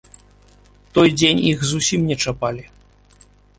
Той дзень іх зусім не чапалі.